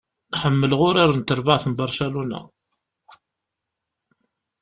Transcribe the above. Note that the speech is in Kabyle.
Ḥemmleɣ urar n terbaɛt n Barcelona.